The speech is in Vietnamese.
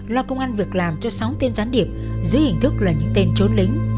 lo công an việc làm cho sáu tên gián điệp dưới hình thức là những tên trốn lĩnh